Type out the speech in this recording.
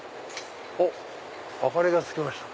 おっ明かりがつきましたね。